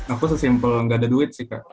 aku sesimpel gak ada duit sih kak